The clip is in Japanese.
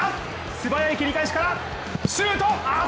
素早い切り返しからシュート！